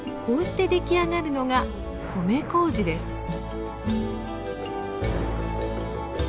こうして出来上がるのが米麹です。